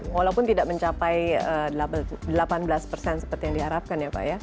walaupun tidak mencapai delapan belas persen seperti yang diharapkan ya pak ya